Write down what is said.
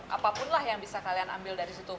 apapun lah yang bisa kalian ambil dari situ